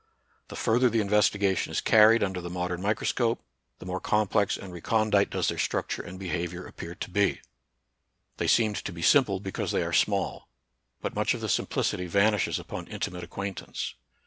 The further the investigation is carried under the modern micro scope, the more complex and recondite does 34 NATURAL SCIENCE AND RELIGION. their structure and behavior appear to be. They seemed to be simple because they are small; but much of the simplicity vanishes upon inti mate acquaintance.